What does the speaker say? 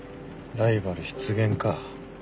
ライバル出現か。